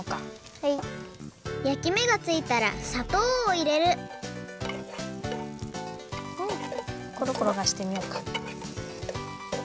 やきめがついたらさとうをいれるコロコロころがしてみようか。